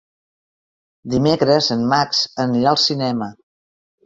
Dimecres en Max anirà al cinema.